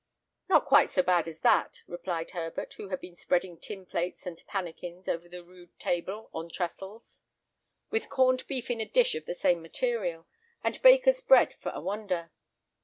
"Not quite so bad as that," replied Herbert, who had been spreading tin plates and pannikins over the rude table on trestles, with corned beef in a dish of the same material, and baker's bread for a wonder.